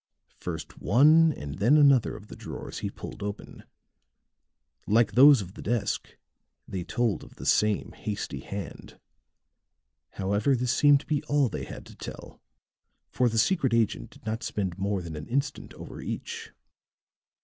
First one and then another of the drawers he pulled open; like those of the desk, they told of the same hasty hand. However, this seemed to be all they had to tell, for the secret agent did not spend more than an instant over each.